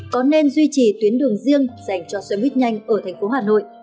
có nên duy trì tuyến đường riêng dành cho xe buýt nhanh ở thành phố hà nội